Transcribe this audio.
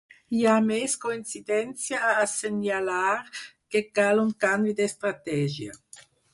Hi ha més coincidència a assenyalar que cal un canvi d’estratègia.